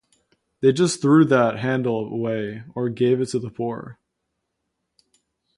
They just threw that handle away or gave it to the poor.